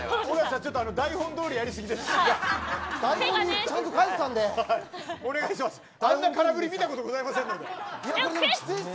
ちょっと台本どおり、やりすぎです。